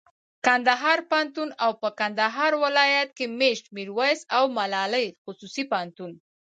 کندهار پوهنتون او په کندهار ولایت کښي مېشت میرویس او ملالي خصوصي پوهنتون